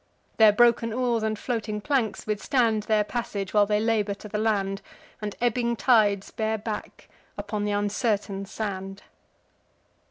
Their broken oars and floating planks withstand Their passage, while they labour to the land, And ebbing tides bear back upon th' uncertain sand.